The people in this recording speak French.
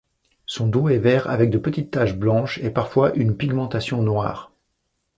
Son dos est vert avec de petites taches blanches et parfois une pigmentation noire.